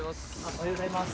おはようございます。